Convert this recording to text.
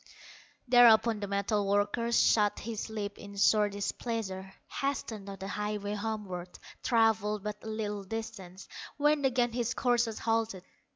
Thereupon the metal worker Shut his lips in sore displeasure, Hastened on the highway homeward; Travelled but a little distance, When again his courser halted.